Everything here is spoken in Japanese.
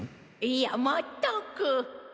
いやまったく。